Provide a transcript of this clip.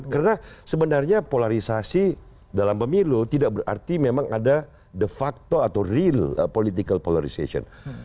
karena sebenarnya polarisasi dalam pemilu tidak berarti memang ada de facto atau real political polarization